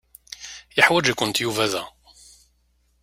Yeḥwaǧ-ikent Yuba da.